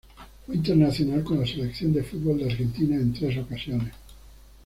Fue internacional con la Selección de fútbol de Argentina en tres ocasiones.